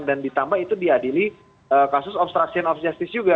dan ditambah itu diadili kasus obstruction of justice juga